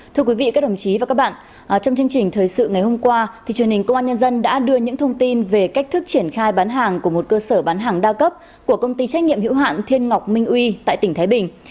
thưa quý vị các đồng chí và các bạn trong chương trình thời sự ngày hôm qua truyền hình công an nhân dân đã đưa những thông tin về cách thức triển khai bán hàng của một cơ sở bán hàng đa cấp của công ty trách nhiệm hữu hạn thiên ngọc minh uy tại tỉnh thái bình